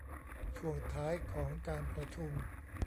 ช่วงท้ายของการประชุม